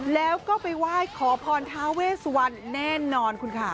แล้วก็ไปไหว้ขอพรทาเวสวันแน่นอนคุณค่ะ